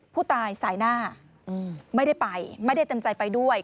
ผู้ตายสายหน้าไม่ได้ไปไม่ได้เต็มใจไปด้วย